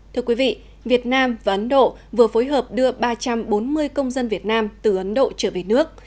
thưa quý vị việt nam và ấn độ vừa phối hợp đưa ba trăm bốn mươi công dân việt nam từ ấn độ trở về nước